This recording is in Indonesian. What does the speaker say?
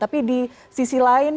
tapi di sisi lain